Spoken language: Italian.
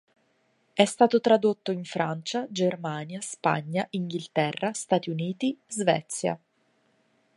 È stato tradotto in Francia, Germania, Spagna, Inghilterra, Stati Uniti, Svezia.